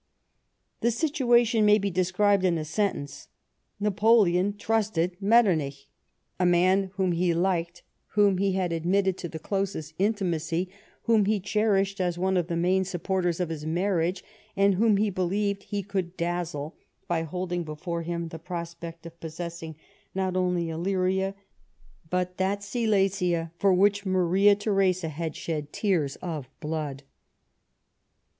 The situation may be described in a sentence : Napoleon trusted Metternich — a man whom he liked, whom he had admitted to the closest intimacy, whom he cherished as one of the main supporters of his marriage, and whom he believed he could dazzle by holding before him the prospect of possessing not only lUyria, but that Silesia for which Maria Theresa had shed tears of blood.